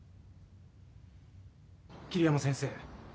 桐山先生